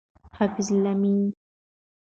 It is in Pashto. حفیظ الله امینی